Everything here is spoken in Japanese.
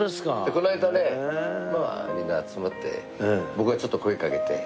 この間ねまあみんな集まって僕がちょっと声かけて。